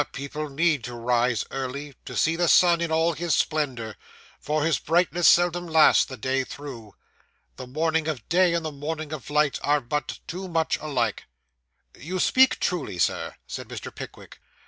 people need to rise early, to see the sun in all his splendour, for his brightness seldom lasts the day through. The morning of day and the morning of life are but too much alike.' 'You speak truly, sir,' said Mr. Pickwick.